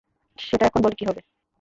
সেটা এখন বলে কী লাভ?